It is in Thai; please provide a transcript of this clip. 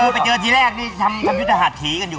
ไปเจอทีแรกนี่ทำยุทธหาดผีกันอยู่